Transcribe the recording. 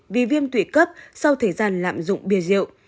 vì viêm tủy cấp sau thời gian lạm dụng bia rượu